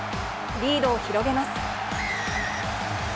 リードを広げます。